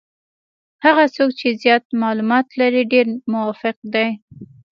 هغه څوک چې زیات معلومات لري ډېر موفق دي.